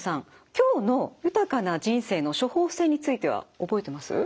今日の豊かな人生の処方せんについては覚えてます？